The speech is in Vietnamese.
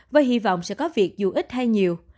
với hy vọng sẽ có việc dù ít hay nhiều